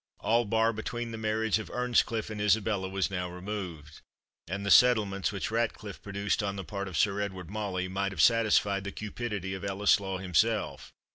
All bar between the marriage of Earnscliff and Isabella was now removed, and the settlements which Ratcliffe produced on the part of Sir Edward Mauley, might have satisfied the cupidity of Ellieslaw himself.